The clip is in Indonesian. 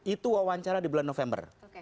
itu wawancara di bulan november